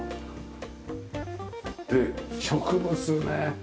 で植物ね。